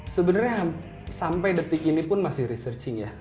sebenarnya sampai detik ini pun masih researching ya